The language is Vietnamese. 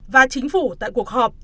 và chính phủ tại cuộc họp